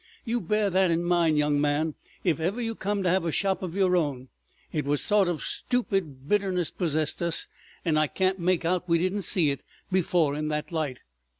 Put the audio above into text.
You bear that in mind, young man, if ever you come to have a shop of your own. It was a sort of stupid bitterness possessed us, and I can't make out we didn't see it before in that light.